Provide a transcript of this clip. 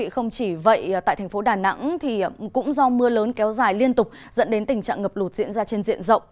không chỉ vậy tại thành phố đà nẵng cũng do mưa lớn kéo dài liên tục dẫn đến tình trạng ngập lụt diễn ra trên diện rộng